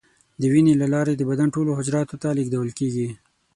د وینې له لارې د بدن ټولو حجراتو ته لیږدول کېږي.